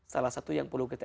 salah satu yang perlu kita